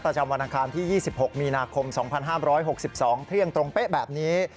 ประจำวันอังคารที่๒๖มีนาคม๒๕๖๒เที่ยงตรงเป๊ะแบบนี้